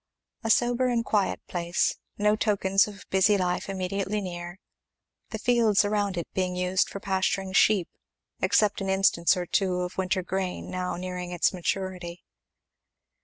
A sober and quiet place, no tokens of busy life immediately near, the fields around it being used for pasturing sheep, except an instance or two of winter grain now nearing its maturity.